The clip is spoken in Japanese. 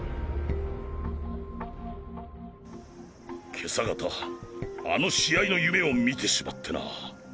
今朝方あの試合の夢をみてしまってな。